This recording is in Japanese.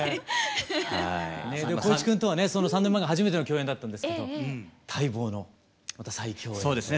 光一君とはねその３年前が初めての共演だったんですけど待望のまた再共演です。